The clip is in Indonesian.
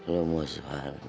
lu mau suar mbak be